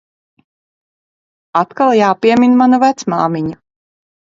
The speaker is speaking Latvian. Atkal jāpiemin mana vecmāmiņa.